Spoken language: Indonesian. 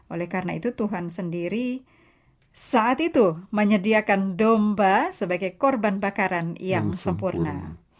oleh karena itu tuhan sendiri saat itu menyediakan domba sebagai korban bakaran yang sempurna